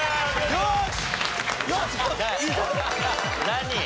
何？